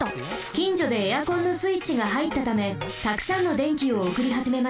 きんじょでエアコンのスイッチが入ったためたくさんの電気をおくりはじめました。